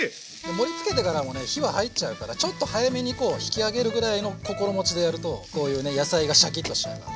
盛りつけてからもね火は入っちゃうからちょっと早めに引き上げるぐらいの心持ちでやるとこういうね野菜がシャキッと仕上がる。